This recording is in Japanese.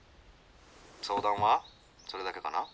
相談はそれだけかな？」。